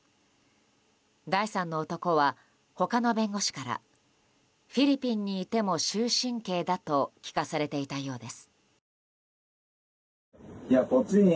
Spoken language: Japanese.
第三の男は、他の弁護士からフィリピンにいても終身刑だと聞かされていたようです。